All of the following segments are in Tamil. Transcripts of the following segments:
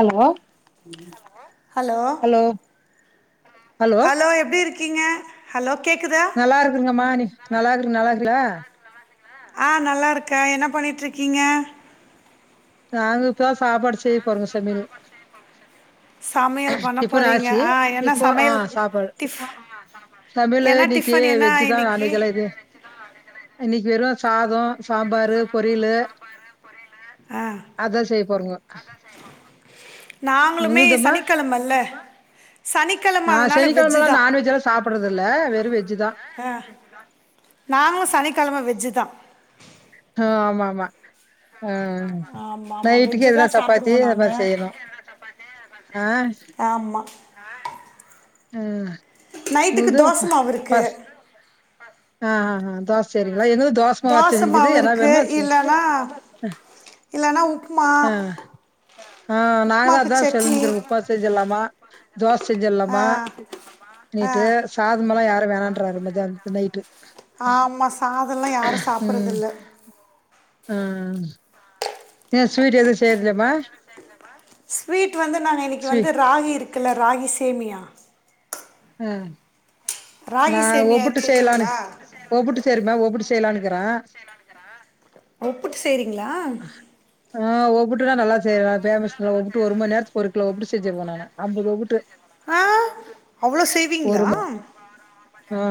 ஹலோ ஹலோ ஹலோ எப்டி இருக் க்கிங்கா ஹலோ கேக்குதா நல்லா இருக்குங்கமா நீ நல்லா இருக்குங் நல்லா இருக்கிங்ளா ஆஹ் நல்லா இருக்கே என்ன பண்ணிட்டு இருக்கீங்க நாங்க இப்பான் சாப்பாடு செய் போறோங்க சமையல் சமையல் பண்ண இப்போ தான் போறீங்க ஆ என்ன இப்போ சமையல் ஆஹ் சாப்பாடு டிஃப் தமிழ் என்ன இன்னைக்கு டிஃபன் என்ன வெஜ்ஜ் தான் இன்னைக்கு நான்வெஜ் எல்லாம் இது இன்னைக்கு வெறும் சாதோம் ஏ சாதம் சாம்பாரு பொரியலு அதா செய்ய போறோங்க நாங்களுமே சனிக்கெழமல்ல சனிக்கெழம நான் அதனால வெஜ்ஜு சனிக்கிழமல்லாம் நாான்வெஜ் எல்லாம் சாப்பிடறது இல்ல வெறு வெஜ் தான் அ நாங்களும் சனிக்கிழமை வெஜ்ஜு தான் அ ஆமா ஆமா ஆ ஆமா ஆமா நைட்டுக்கு வெஜ்ஜு தா எதனா சப்பாத்தி சாப்டுவோ அது நாங்க மாரி செய்யனும் ஆ ஆமா ம் நைட்டுக்கு தோச மாவு இருக்கு ஆ ஆ தோச சரி தோசமா மாவு இருக்கு செய் இல்லன்னா இல்லன்னா உப் அ ஆ நா தான் உப்மாக்கு அதான் சட்னி சொல்றோம் உப்புமா செஞ்சிடலாமா தோசை ஆ செஞ்சிடலாமா ஆ நேத்து சாதம் எல்லாம யாரும் வேணான்றாங்க மத்திய நைட்டு ஆமா சாதம் எல்லா யாரும் சாப்படறது ம் இல்ல ஆ ஏ ஸ்வீட் எதுவும் செய்றதுல்லயாபா ஸ்வீட் வந்து நாங்க இன்னைக்கு வந்து ராகி இருக் குல ராகி சேமியா ம் ராகி நான் சேமியா ஒப்பிட்டு செய்யலனு தெரியுங்களா ஒப்பிட்டு சரிமா ஒப்பிட்டு செய்யலனுக்கிறேன் ஒப்புட்டு செய்றீங்களா ஆ ஒப்புட்டுலாம் நல்லா செய்வேன் ஃபேமஸ் ஒப்புட்டு ஒரு மணி நேரத்துக்கு ஒரு கிலோ ஒப்புட்டு செஞ்சுருவேன் நானு அம்பது ஒப்புட்டு ஆ அவ்ளோ ஒரு செய்வீங்களா ம ஆ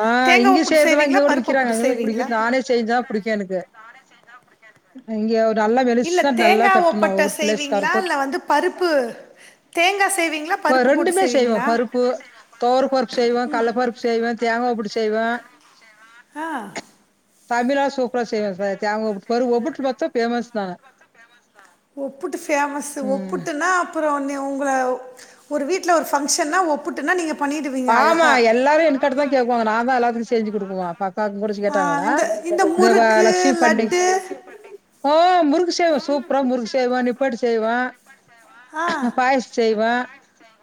ஆ தேங்காய் இங்க ஒப்புட்டு செய்றதெல்லா செய்வீங்களா இங்கோடு பருப்பு விக்கிறாங்க ஒப்புட்டு செய்வீங்களா [unintelligible] நானே செஞ்சா பிடிக்கும் எனக்கு [unintelligible] இல்ல மெலிசா நல்லா தேங்காய் தட்டணு ஒப்பட்ட ஒவ்வொரு பிளேஸ்காரு செய்வீங்களா இல்ல வந்து பருப்பு தேங்காய் செய்வீங்களா இப்ப பருப்பு போட்டு செய்வீங்களா செய்வேன். பருப்பு துவரம் பருப்பு செய்வோம கடலை பருப்பு செய்வேன் தேங்காய் போட்டு செய்வேன் ஆ அதுலா சூப்பரா செய்வான் நா தேங்கா ஒப்புட்டு ஒரு ஒப்புட்டு மட்டும் ஃபேமஸ் நா ஒப்புட்டு பேமஸ் ஒப்புட்டுனா அப்றோ உங்க ஒரு வீட்ல ஒரு பங்க்ஷன் ஒப்புட்டுனா நீங்க ஆமா எல்லாரும் என்கிட்ட தா கேட்கும் நா தா எல்லாருக்கு செஞ்சு குடுக்குவன் [unintelligible] ஆ, கேட்டாங்களா இந்த இந்த அ முறுக்கு லட்சுமி பண்டிகை லட்டு ஓ முறு சே சூப்பரா முறுக் செய்வன் நிப்படி செய்வன் ஆ பாயசம் செய்வன்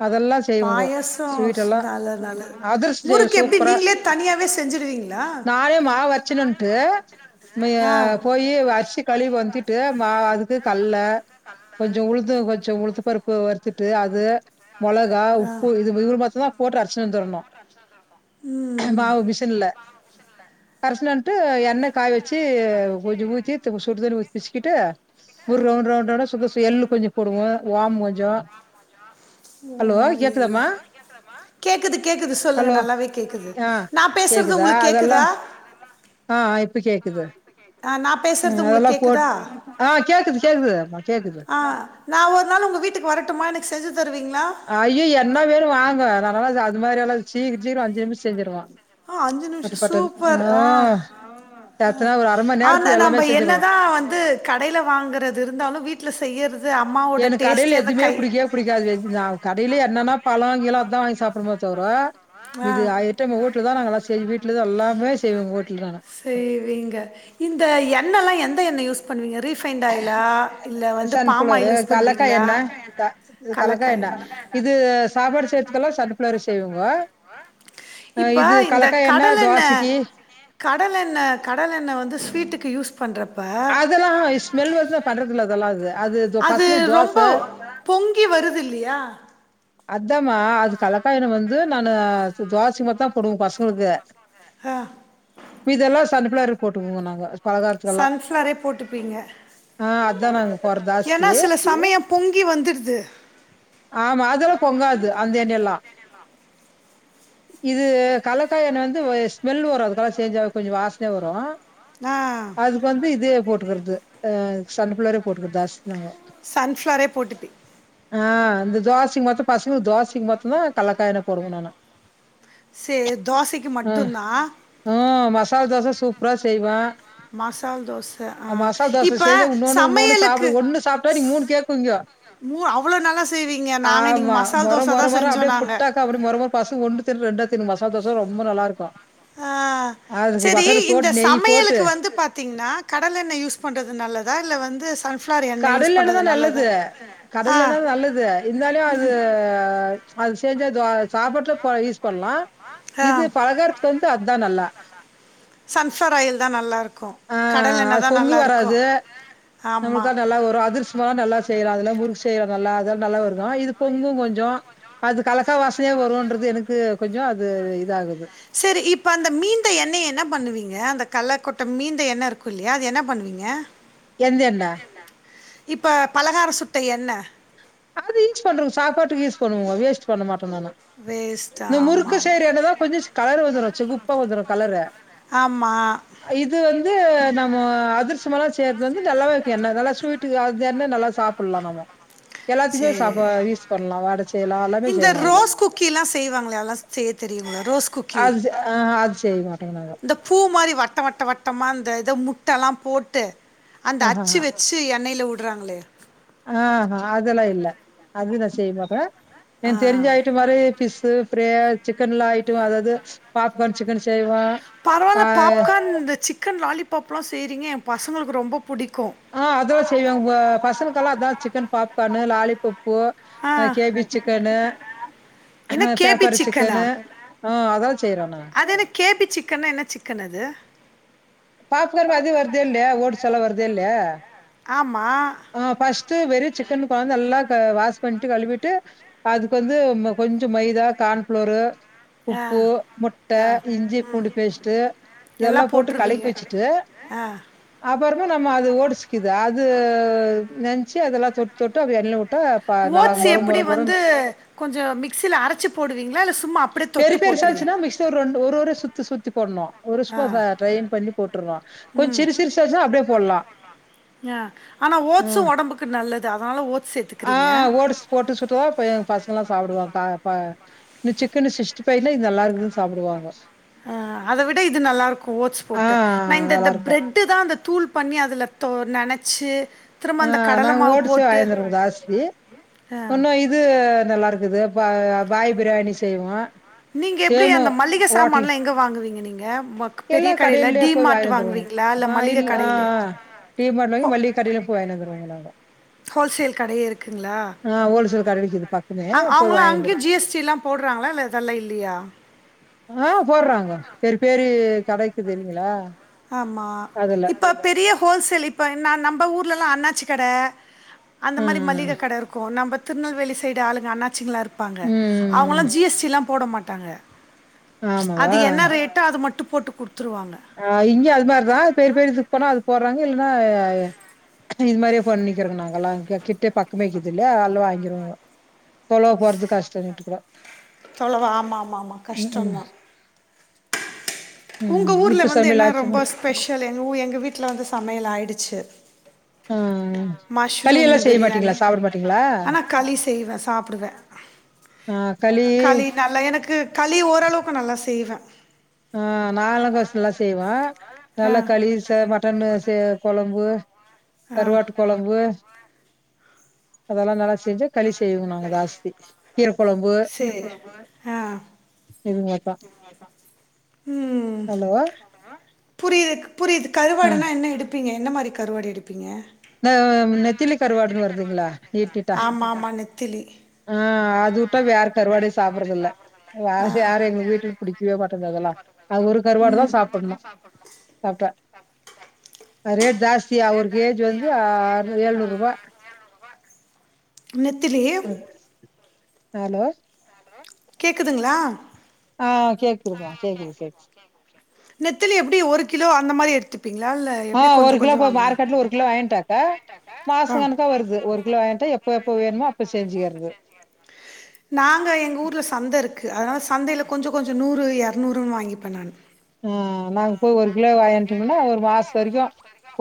அதெல்லா செய்வங்கோ பாயசம் ஸ்வீட்டெல்லா நல்ல நல்ல அதிரசம் செய்வேன் முறுக்கு எப்படி சூப்பரா நீங்களே தனியாகவே செஞ்சுடுவீங்களா நானே மாவு அரச்சிண்டு வந்துட்டு மே ஆ போய் அரி கழிவு வந்துட்டு மா அதுக்கு கல்லை கொஞ்சம் உழுது கொஞ்சம் உழுத்து பருப்பு வறுத்துட்டு அது மொளகா உப்பு இது இவரு மா்தான் போ அ மா ம் மிஷ அ எண்ண் காய வச்சு ஊ சுட்டு ஒரு ரவுண்ட் ரவுண்ட் ரவுண்ட் எள்ளு கொஞ்சம் போடுவோம் ஓமம் கொஞ்சம் போடும் ம் கொஞ்சம் ஓமா எல்ல கேக்குது கேக்குது சொல்லுங்க ஹலோ நல்லாவே கேக்குது ஆ நான் பேசுறது கேக்குதா உங்களுக்கு அதெல்லா கேக்குதா [unintelligible] ந பேசுறது உங்க அதெல்லா போட் கேக்குதா ஆ கேக்குது கேக்குதுமா கேக்குது ஒரு நாள் உங்க வீட்டுக்கு வரட்டுமா எனக்கு செஞ்சு தருவீங்களா அஐயோ என்ன வேணும் வாங்க நல்லல்லா அது மாதிரி எல்லாம் சீக்க சீரம்ஞ்சு நிமிசம் செஞ்சருவான் அஞ்சு நிமிஷம் சூப்பர் ஆ எத்தன ஒரு அர மண் ஆன நேரத்துல எல்லாமே நம்ம செஞ்சிருவோ என்னதான் வந்து கடில வாங்கறது இருந்தாலும் வீட்டுல செய்யற எனக்கு கடையையில் எதுவுமே ப புடிக்க ப புடிக்காது நான் கடையிலே என்னன்னா பழம்ங்காம் அதான் வாங்கி சாப்பிடுரோ தவர ஆ இது வீட்டுல தான் நா எல்லாம் வீட்டுலான் எல்லாமே செய்வங்க செய்வீங்க இந்த எண்ணல்லாம் எந்த அத என்ன யூஸ் பண்ணுவீங்க ரீஃபைன்ண்ட் ஆயிலா இல்ல வந்து பாம் சன்ஃளோரு ஆயில் யூஸ் கலக்காய் பண்ணுவீங்களா என்ண்ணெ கலக்கா கலக்காய் எண்ணய எண்ணெ இது சாப்பாடு செய்துக்கெல்லாம் சன்ஃளோரு செய்வங்கஹ இப்ப இது கலக்காய் எண்ணனய தோசைக்கு கடல் என்ன கடல் என்ன வந்து ஸ்வீட்டுக்குயூஸ் அதெல்லாம் ஸ்மெல் வந்து பண்றதுல அதெல்லாம் அ அது பசங்க தோசை பொங்கி வருது இல்லையா அதமா அது கலக்காயனம் வந்து நான் துவாசி மத்தான் போடுவங்க பசங்களுக்கு ஆ இப்ப இதெல்லாம் சக போட்டுக்கோங்க நாங்க பலகாரத்துக்கல்லாம் சன்ஃப்ளவரே போட்டுப்பீங்க ஆஹ் அத நாங்க போறதாஸ்தி ஏன்னா சில சமயம் பொங்கி வந்துடுது ஆமா எல்லாம் பொங்காது அந்த என்னெய் எல்லாம் இது கலக்காஎன்னெய் வந்து ஸ்மெல் வரும் அதுக்கல சேஞ்ச ஆ கொஞ்சம் வாசனே வரும் ஆஹ் அதுக்கு வந்து இதே போட்டுக்கிறது அ சன் பிளர் போட்டுக்கரது ஜாஸ்தி நாங்க சன்ஃப்ளரே போட்டுப்பே ஆஹ் இந்த தோசைக்கு மத்தும் பசங்க தோசைக்கு மத்தும்தான் கலக்காயின போடுணும் நானா சே தோசைக்கு மட்டும் தான் ம். மசால் தோச சூப்பரா செய்வே மசால் தோசை ஆ மசால் தோசை இப்போ சேஞ்ஜம் இன்னொன்னு இன்னொன்னு சமையலுக்கு சாப்பிடுவ ஒன்னு சாப்பிட்டா நீங்க மூணு கேக்குவிங்க மூ அவ்வளோ நல்லா செய்வீங்க நாங்கள் இன்றைக்கி ஆமா மசால் மொர தோசை மொர தான் மொரம் செஞ்சோம் அப்படியே நாங்கள் புட்டாக்க அப்படியே மொர மொரம் பசு ஒன்னு தும் ரெண்டா தும் மசால் தோசை ரொம்ப நல்லா இருக்கும் ஆஹ் சரி இந்த போட்டு நெய் போட்டு சமையலுக்கு வந்து பாத்தீ நா கடல எண்ணெய் யூஸ் பண்றது நல்லதா இல்ல வந்து சன்ப்ஃளவர் எண்ணெய் யூஸ் கடலெண்ணெய் பண்றது தான் நல்லதா நல்லது. கடலெண்ண நல்லது. இருந்தாலு அது அது செஞ்ச அத சாப்புட்டு போய் பண்ணலாம் இது ஆ பலகாரத்துக்கு வந்து அதுதான்நல்லா சன்ஃப்ளவர் ஆயில் தான் நல்லா இருக்கும் கடல் எண்ணெய் அது தான் பொங்கி நல்லா வராது இருக்கும் நம்மளுக்கா ஆமாம் நல்லா வரும் அதிர்சமாம் நல்லா செய்யற அதல முறுக்கு செய்யலாம் நல்லா அதல்லாம் நல்லா வருக்கும் இது பொங்கும் கொஞ்சம் அது கலக்கா வாசனையா வரும்ன்றது எனக்கு கொஞ்சம் அது இத ஆகுது சரி இப்ப அந்த மீந்த எண்ணெய என்ன பண்ணுவீங்க அந்த கள்ளக்கொட்ட மீந்த எண்ண இருக்கும் இல்லையா அது என்ன பண்ணுவீங்க எந்தெண்ண இப்ப பலகார சுட்ட என்ன அது யூஸ் பண்ணறங்க சாப்பாட்டுக்கு யூஸ் பண்ணுவங்க வேஸ்ட் பண்ணமாட்டாங் ந்தான வேஸ்ட் இந்த முறுக்கு ஆமாம் சேரியானதான் கொஞ்சம் கலர் வந்துகுப்பா வந்துரும் கலர் ஆமாம் இது வந்து வந்து நம்ம அதிர்சவ்வம எல்லாம் செய்யறது வந்து நல்லாவே வக்கும் என்ன நல்லா ஸ்வீட்டு அது என்ன நல்லா சாப்பிடலாம் நம்ம எல்லாத்துக்குமே சரி சாப்ப யூஸ் பண்ணலாம். வடை செய்யலாம். எல்லாமே இந்த செய்யலாம் அதுல. ரோஸ் குக்கி எல்லாம் செய்வாங்கள எல்லாம் செய்ய தெரியுங்கள ரோஸ் குக்கி அது செ ஆஹா அது செய்ய மாட்டோங்க நாங்க. இந்த பூ மாதிரி வட்டம் வட்ட வட்டமா ஏதோ முட்டல்லாம் போட்டு அந்த அச்சு வச்சு எண்ணெயில உள் ட்றாங்லே ஆஹ்ஹ் அததுெல்லாம் இல்ல அததுனா செய்ய மக்க என் ஆ தெரிஞ்ச ஆயிட்டு மாதிரி பிஸு அப்பற சிக்கன் எலாம் ஆயிட்டும் அதாவது பாப்கார்ன் சிக்கன்செய்வே பரவாயில்ல பாப்கார்ன் இந்த சிக்கன் லாலிபாப் எல்லாம் சரிங்க பசங்களுக்கு ரொம்ப புடிக்கு ஆஹ் அதெல்லாம் செய்வேங்க உங்க பசங்கக்கெல்லாம் அதான் சிக்கன் பா பன்னு லாலிபப் பூ ஆ கேபி சிக்கனு என்ன கேபி பேப்பர் சிக்கனா சிக்கனு ஆஹ அதெல்லாம் செய்றோண்ணா சிக்கனா என்ன சிக்கன் அது பாப் கர்ம அதுே வருது இல்லலை ஓட் சொல வருது இல்லயா ஆமா வெறிய சிக்கன் கொாந்து நல்லா வாஷ் பண்ணிட்டு கழுவிட்டு அதுக்கு வந்து கொஞ்சம் மைதா கான்பளோரு ஆ உப்பு முட்டை ஆ இஞ்சி பூண்டுி பேஸ்ட்ட் எல்லா இதெல்லாம் போட்டு போட்ருவீங்க களைக்கு வச்சுட்டு ஆ அப்புற நம்ம அது ஓடிச்சுக்குது அது நெைச்சு அதெல்லாம் தொட்டு தொட்டு அ எண்ண விட்டு ஓட்ஸ் எப்படி வந்து கொஞ்சம் மிகஸியில அரைச்சு போடுவீங்களா இல்ல சொல்ல பெரிய பெருசாச்சுன்னா மிக ஒரு ஒரு சுத்து சுத்தி பொடண்ணும்ம் ஒரு ஸோ ட்ரெயின் பண்ணி போட்டுருவோம் கொஞ்சம் சிரு சிரு சச்சம் அப்படியே போடலாம் ஆ ஆனா ஓட்ஸு ஆஹ் ஒடம்புக்கு நல்லது அதனால ஓட்ஸ் சேத்துக்கிறீங்க ஆஹ் ஓடிச்சு போட்டு சுட்டுவான் பசங்க எல்லாம் சாப்பிடுவான் இன்னும் சிக்கனு சஷ்டி பனா இது நல்லா இருக்குதான் சாப்பிடுவாங்க அத விட இது நல்லா இருக்கும் ஓட்ஸ் ஆ போட்டு நல்லா இந்த இருக்கு பிரெட்டு் தான் அ தூள் பண்ணி அதுல நினச்சு ஆஹ் நாங்க ஓடிச்சு வாயந்துருவோம் தாசி ஆ ஒன்னும் இது நல்லா இருக்குது பாய் பிரியாணி செய்வோம் நீங்க எப்படி அந்த மல்லிகை சாமான் எல்லாம் எங்க வாங்குவீங்க நீங்க கப் எல்லாம் கடையிலயே போய் வாாயினுந்துவோங்கும் இல்லை ஆஹ் மளிகை இல் கடையில் ஆஹ ீ பங்கி மல்லிகி கடையிலும் போய்யினு வந்துருவோங்கான் ஹோல்சேல் கட இருக்குங்களா ஆ ஹோல்சேல் கட இருக்குது பக்கமே போய் அவங்காம் வாங்கி அங்கய வந்துருவோ ஜாம் போடுறாங்களா இல்லாம் இல்லா கிடைக்குது இல்ங்களா ஆமா இப்ப பெரிய ஹோல்சேல் இப்ப ந நம்ம ஊர்லல்லாம் அண்ணா வச்சுக்கடை அந்த மாதிரி ம் மளிகை கடை இருக்கும் நம்ம திருநெல்வேலி சைடு ஆளுங்க அண்ணாச்சிங்களா இருக்கு இருபாங்க ம் ம் அவுங்கல்லாம் ஜி. எஸ்டி எல்லாம் போட மாட்டாங்க அது ஆமாவா என்ன ரேட்டா அது மட்டும் போட்டு கொடுத்து குடுத்துடுவாங்க இங்கயு அது மாதிரிதான் பெரிய பெரிய இதுக்கு போனா அது போடுறாங்க இல்லன்னா இது மாதிரியே பண்ணிக்கிறோங்க நாங்க எல்லாம் கிட்டே பக்கமேக்குது இல்லயா அதெல்லாம் வாங்கிருவோங்க தொலவ போறது கஷ்டண்ணட்டு கூட தொளவா ஆமா-ஆமா-ஆமா கஷ்டம்தா உம் இ வந்து என்ன ரொம்ப ஸ்பெஷல் எ எங்கள் வீட்டில் வந்து சமயல் ஆயிடுச்சு ஆ. களி மஷ்ரூம் எல்லாம் செய்ய பிரியாணி மாட்டீங்களா? சாப்பிட மாட்டீங்களா? ஆனா களி செய்வேன் சாப்டுவேன் களி நல்லா எனக்கு களி ஓரளவுக்கு நல்லா செய்வே ஹா நாலங்கசம் எல்லா செய்வா ஆ நல்லா களிச மட்டனுச கொழம்பு ஆ கருவாட்டு கொழம்பு அதெல்லாம் நல்லா செஞ்ச கழி செய்வோ நாங்க ஜாஸ்தி கீர கொழம்பு சேரி ஆ இது மாரிதா ஹலோ புரியுதுக் புரியுது ஆ. கருவாடுனா என்ன எடுப்பீங்க என்ன மாதிரி கருவாடி எடுப்பீங்க நெத்திலி கருவாடுன்னு வருதுங்ளா நீட்-நீட்டா ஆமா ஆமா நெத்திலி ஹா அது உட்டா வேற கருவாடிய சாப்டறதில்ல வேற ஆ யாரும் எங்க வீட்ல பிடிக்கவே மாட்ட இந்ததெல்லாம் அது ஒரு கருவாடு தா சாப்புணும்சாப்ட்டா நெறைய டாஸ்சியா அவுருக்கு இது வந்து அர்னுரு எழுநூறு ரூபா நெத்திலி ஹலோ கேக்குதுங்ளா ஆ கேக்குதுமா கேக்குது கேக்குது. நெத்தலி எப்டி ஒரு கிலோ அந்த மாதிரி எடுத் ஆஹ் ஒரு கிலோ போய் மார்க்கெட்ல ஒரு கிலோ வாங்கிட்டாக்கா மாச ஆ கணக்கா வருது ஒரு கிலோ வாங்கிட்டா எப்ப எப்ப வேணுமோ அப்ப செஞ்சுக்கிறது நாங்க எங்க ஊர்ல சந்த இருக்கு அதனால சந்தையில கொஞ்சம் கொஞ்சம் நூறு இரநூறுன்னு வாங்கிப்பே நானு ஆஹ் நாங்க போய் ஒரு கிலோ வாங்கட்டோம்ன்னா ஒரு மாசம் வரைக்கும்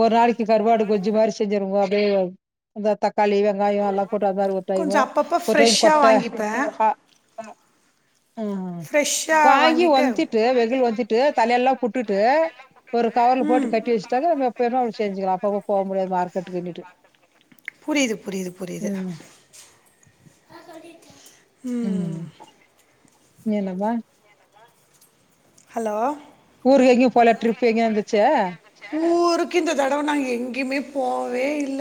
ஒரு நாளைக்கு கருவாடு கொஞ்சு மாதிரி செஞ்சருவோ அப்படியே இந்த தக்காளி வெங்காயம் எல்லாம் போட்டு அது மாரி ஒரு டைமு கொஞ்சம் அப்பப்ப ஒரு டைம் ஃப்ரெஷ்ஷா கொட்ட வாங்கிப்பே ஹ் ஃப்ரெஷ்ஷா வாங்கி வாங்கிட்டு ஒலத்திட்டு வெயில ஒலத்திட் தலையெல்லாம் புட்டுட்டு ஒரு கவர்ல போட்டு கட்டி வச்சுட்டா எப்ப வேனாலும் அப்ப அப்ப மார்கெட் போக முடியாது புரியுது புரியுது புரியுது உம் உம் ம் என்னப்பா ஹலோ ஊருக்கு எங்கேயும் போல ட்ரிப் எங்கய இந்துச்சே ஊருக்கு இந்த தடவை நாங்க எங்கேயுமே போவே இல்ல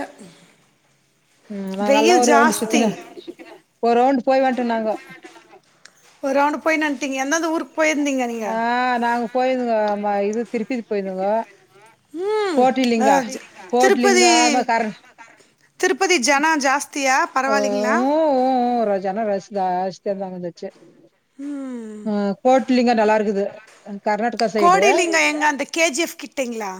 உஹம் நாங்க எல்லாம் வெயில் ஒரு ரவுண்ட் ஜாஸ்தி சுத்தின ஒரு ரவுண்ட் போய் வன்ட்டோம் நாங்க ஒரு ரவுண்டு போயின்னு வந்துட்டீங்க எந்தெந்த ஊருக்கு போயிருந்தீங்க நீங்க ஆஹ் நாங்க போயிருந்தங்க ம இதுக் திருப்பிதி போயிருந்தோங்க உஹம் கோட்டிலிங்கா அஹ திருப்பதி கோட்லிங்கா திருப்பதி ஜனா ஜாஸ்தியா பரவாயில்லிங்களா ஒ ஜன ரஷ் தான் [unintelligible] இந்துச்சு ம் உன் கோட்லிங்க நல்லா இருக்குது கர்நாடகா சைடு கோடிலிங்கம் எங்க அந்த கேஜிஎஃப் கிட்டங்களா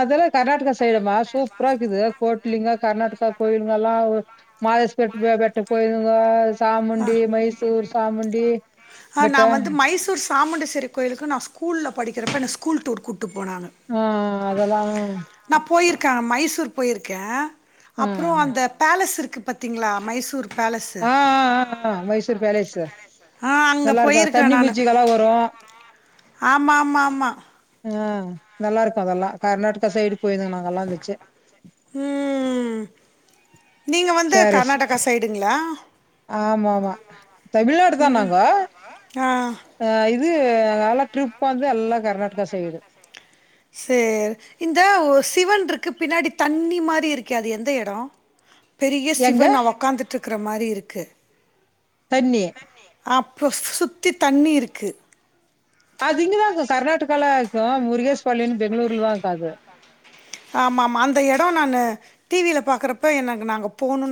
அதல்ல கர்நாடக ஸ் சைடமா சூப்பரா இருக்குது கோ லிங்கா கர்நாடகா கோயில் இதல்லாம் ஒரு மாயஸ் [unintelligible] சாமுண்டி மைசூர் சாமுண்டி ஆ, பெட்ட நான் வந்து மைசூர் சாமுண்டேஸ்வரி கோயிலுக்கு நான் ஸ்கூல படிக்கிறப்ப ஸ்கூல் டூர் கூட் ஆஹ் அதெல்லாம் நான் போயிருக்கேன் மைசூர் போயிருக்கேன் ஆ அப்பறம் அந்த பேலஸ் இருக்கு பாத்தீங்களா மைசூர் பேலஸ்ஸு ஆஹ்ஹ் ஆஹ்ஹ மைசூர் பேலேஸ் ஆ அங்கே நல்லா இருக்கா தண்ணி போயிருக்கிறேன் நான் மூச்சிக எல்லாம் வரும் ஆமா ஆமா ஆமா ஆஹ் நல்லா இருக்கு அதெல்லாம் கர்நாடகா சைடு போயிருந்தங்க நாங்கெல்லாம் நல்லா இந்துச்சி உம் கேரிஸ் ஆமா ஆமா தமிழ்நாடு தா நாங்கோ ஆ அன் இது இது நல்லா ட்ரிப் வந்து எல்லா கர்நாடகா சைடு சரி இந்த சிவன் இருக்கு பின்னாடி தண்ணி மாரி இருக்கே அது எந்த இடம் பெரிய எங்க சிவன் உக்காந்துட்டு இருக்கிற மாரி இருக்கு தண்ணி அப் [unintelligible] சுத்தி தண்ணி இருக்கு தோ முருகேஸ்பள்ளின்னு பெங்களூர்ல தான் இருக்குகா அது ஆமா ஆமா அந்த இடம் நான் டிவியில பாக்கறப்ப எனக்கு நாங்க போணும் ன்னு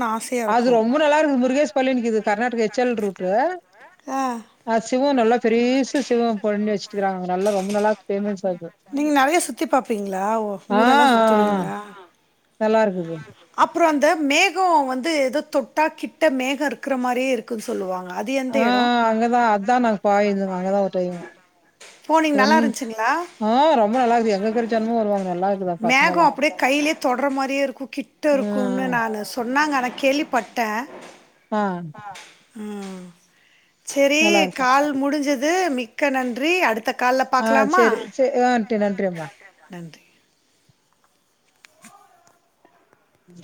அது ரொம்ப நல்லா இருக்குது முருகேஷ் பள்ளிக்கு இது கர்நாடக எச் ல் ரூட்டு ஆ அ சிவம் நல்லா பெரிசு சிவம் பண்ணிவச் ரொம்ப நல்லா இக்கு பேமன்ஸ் நீங்க நிறைய சுத்தி பார்ப்பீங்களா ஓ, ஊரெல்லாம் ஆஹ் நல்லா இருக்கு அப்றம் அந்த மேகம் வந்து ஏதோ தொட்டா கிட்ட மேகம் இருக்கிற மாரியே இருக்குன்னு சொல்லுவாங்க அது எந்த இடம் ஆஹ அங்கதா அதா நாங்க போயிருந்தோ அங்கதா ஒரு டைம்மு. போனீங் நல்லா இருந்துச்சுங்களா. நல்லா இருக்குது எங்க இருக்கிற ஜனமும் வருவாங்க நல்லா இருக்குதா மேகோ பக்கமெல்லாம் அப்படியே கையிலயே தொடர மாரியே இருக்கு கிட்ட ஆ இருக்கும்னு நானு சொன். நாங்க என கேள்விப்பட்ட. ஆஹ. உம். சேரி கால் முடிஞ்சுது மிக். க்க நன். ஆஹ சேரி சேரி ஆஹ [unintelligible] நன்றிமா. நன்றி உம்.